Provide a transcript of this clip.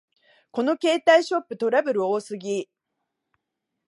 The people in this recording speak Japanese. この携帯ショップ、トラブル多すぎ